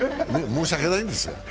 申し訳ないですが。